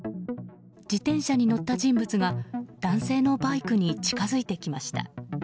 自転車に乗った人物が男性のバイクに近づいてきました。